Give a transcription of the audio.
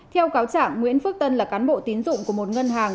theo cáo trạng nguyễn phước tân là cán bộ tín dụng của một ngân hàng